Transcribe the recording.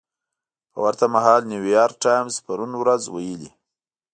په ورته مهال نیویارک ټایمز پرون ورځ ویلي